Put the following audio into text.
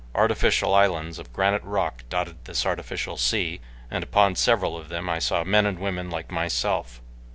Artificial islands of granite rock dotted this artificial sea, and upon several of them I saw men and women like myself.